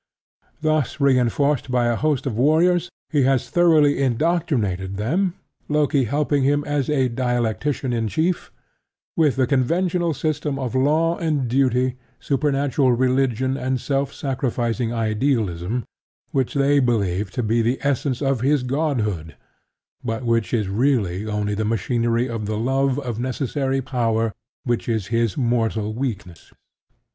Thus reinforced by a host of warriors, he has thoroughly indoctrinated them, Loki helping him as dialectician in chief, with the conventional system of law and duty, supernatural religion and self sacrificing idealism, which they believe to be the essence of his godhood, but which is really only the machinery of the love of necessary power which is his mortal weakness.